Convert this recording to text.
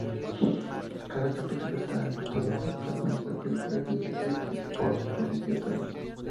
Cada capítulo estaba ilustrado con fragmentos de películas, videoclips i spots publicitarios.